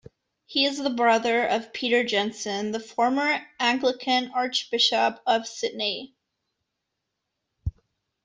He is the brother of Peter Jensen, the former Anglican Archbishop of Sydney.